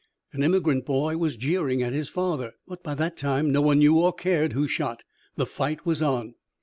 An emigrant boy was jeering at his father. But by that time no one knew or cared who shot. The fight was on.